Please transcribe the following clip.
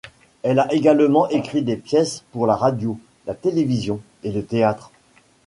Elle a également écrit des pièces pour la radio, la télévision et le théâtre.